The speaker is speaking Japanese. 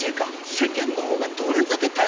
世間の方がどれだけ大変か。